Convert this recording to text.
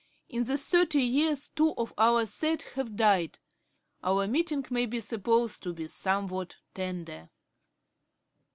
In the thirty years two of our set have died; our meeting may be supposed to be somewhat tender.'